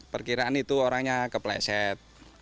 perkiraan itu orangnya kepleset